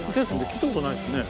聞いたことないですね。